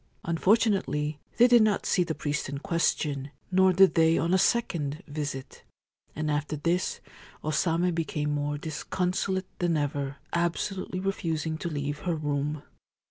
Unfortunately, they did not see the priest in question ; nor did they on a second visit ; and after this O Same became more disconsolate than ever, absolutely refusing to leave her room.